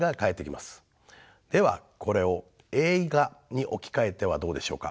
ではこれを映画に置き換えてはどうでしょうか。